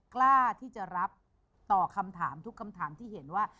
กล้าที่จะรับต่อคำถามทุกคำถามที่เห็นว่า